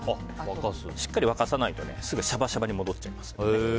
しっかり沸かさないとすぐシャバシャバに戻っちゃいます。